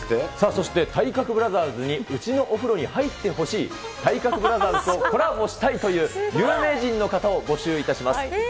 そして体格ブラザーズにうちのお風呂に入ってほしい、体格ブラザーズとコラボしたいという有名人の方を募集いたします。